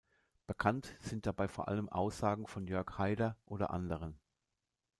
Bekannt sind dabei vor allem Aussagen von Jörg Haider oder anderen.